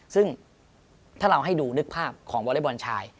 ซึ่งถ้าเราให้ดูนึกภาพของวอเล็กบอลชาย